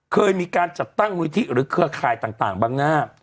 เคยมีการจัดตั้งหนุนที่หรือเครือค่าคายต่างบางหน้า